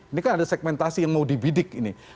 ini kan ada segmentasi yang mau dibidik ini